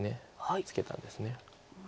ツケたんです。